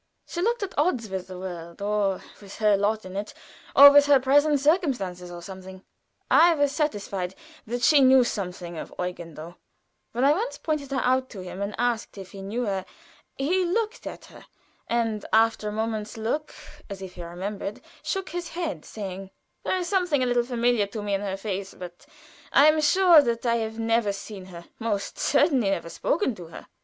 She looked at odds with the world, or with her lot in it, or with her present circumstances, or something. I was satisfied that she knew something of Eugen, though, when I once pointed her out to him and asked if he knew her, he looked at her, and after a moment's look, as if he remembered, shook his head, saying: "There is something a little familiar to me in her face, but I am sure that I have never seen her most assuredly never spoken to her."